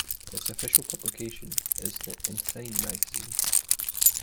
Its official publication is "The Ensign" magazine.